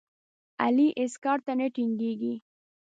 علي هېڅ کار ته نه ټینګېږي.